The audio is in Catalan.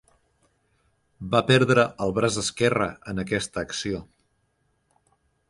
Va perdre el braç esquerre en aquesta acció.